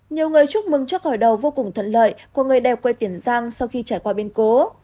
nhiều người chúc mừng trước hồi đầu vô cùng thuận lợi của người đẹp quê tiển giang sau khi trải qua biên cố